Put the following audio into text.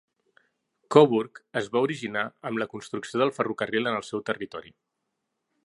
Coburg es va originar amb la construcció del ferrocarril en el seu territori.